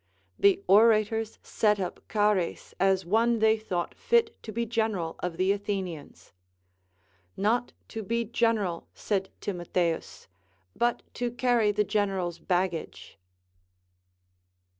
The orators set up Chares as one they thought fit to be general of the Athenians. Not to be general, said Timotheus, but to carry the general's baggage.